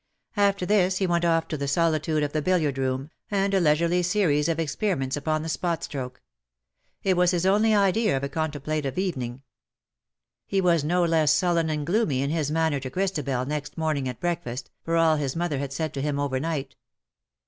After this he went off to the solitude of the billiard room, and a leisurely series of experiments LOVES YOU AS OF OLD." 95 ■upon the spot stroke. It was his only idea of a contemplative evening. He was no less sullen and gloomy in his manner to Christabel next morning at breakfast, for all his mother had said to him overnight.